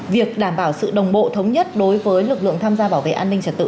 việc đảm bảo sự đồng bộ thống nhất đối với lực lượng tham gia bảo vệ an ninh trật tự